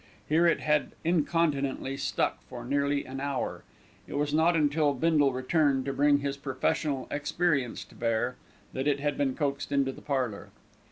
Here it had incontinently stuck for nearly an hour. It was not until Bindle returned, to bring his professional experience to bear, that it had been coaxed into the parlour.